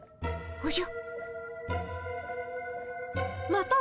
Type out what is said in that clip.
おじゃ。